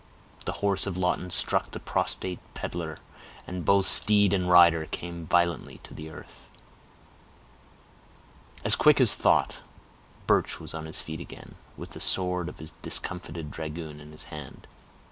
The horse of Lawton struck the prostrate peddler, and both steed and rider came violently to the earth. As quick as thought, Birch was on his feet again, with the sword of the discomfited dragoon in his hand.